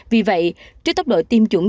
vì vậy trước tốc độ tiêm chủng